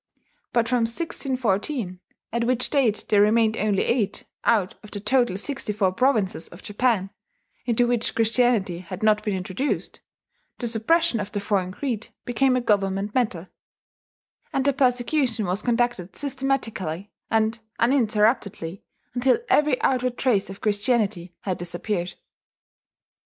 But from 1614 at which date there remained only eight, out of the total sixty four provinces of Japan, into which Christianity had not been introduced the suppression of the foreign creed became a government matter; and the persecution was conducted systematically and uninterruptedly until every outward trace of Christianity had disappeared.